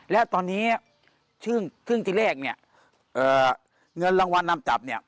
แล้วตอนนี้ครึ่งที่แรกเนี่ยเงินรางวัลนำจับเนี่ย